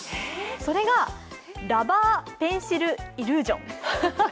それがラバーペンシルイリュージョン。